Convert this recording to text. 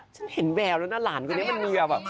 ฉันเห็นแววแล้วนะหลานคนนี้มันมีแบบ